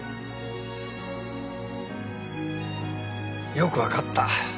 よく分かった。